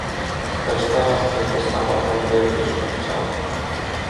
Lecz teraz gdy poznała, to by jeszcze chciała